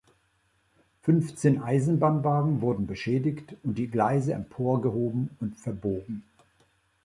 Fünfzehn Eisenbahnwagen wurden beschädigt und die Gleise emporgehoben und verbogen.